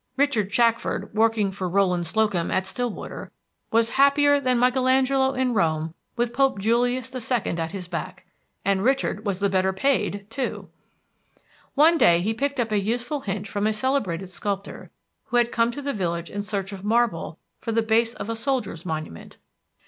Richard Shackford working for Rowland Slocum at Stillwater was happier than Michaelangelo in Rome with Pope Julius II. at his back. And Richard was the better paid, too! One day he picked up a useful hint from a celebrated sculptor, who had come to the village in search of marble for the base of a soldiers' monument.